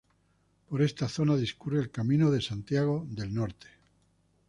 Por esta zona discurre el Camino de Santiago del Norte.